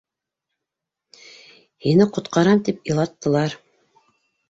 — Һине ҡотҡарам тип илаттылар.